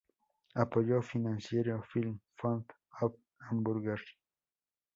Apoyo financiero: Film Fond of Hamburg.